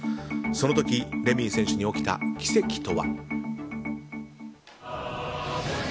その時レミイ選手に起きた奇跡とは。